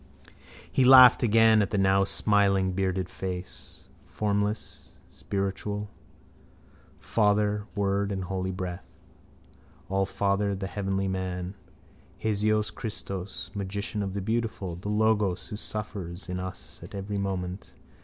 He laughed again at the now smiling bearded face. Formless spiritual. Father, Word and Holy Breath. Allfather, the heavenly man. Hiesos Kristos, magician of the beautiful, the Logos who suffers in us at every moment.